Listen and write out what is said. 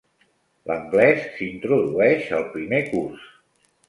L'anglès s'introdueix al primer curs.